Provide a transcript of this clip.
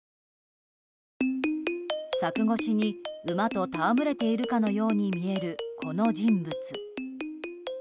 柵越しに馬と戯れているかのように見えるこの人物。